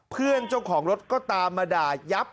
เพื่อนเจ้าของรถก็ตามมาด่ายับ